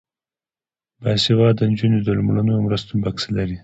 باسواده نجونې د لومړنیو مرستو بکس لري.